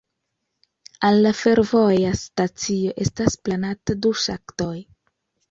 Al la fervoja stacio estas planata du ŝaktoj.